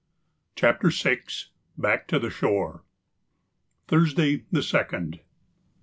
CHAPTER VI BACK TO THE SHORE _Thursday, the 2nd.